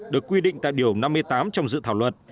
được quy định tại điều năm mươi tám trong dự thảo luật